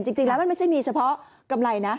จริงแล้วมันไม่ใช่มีเฉพาะกำไรนะ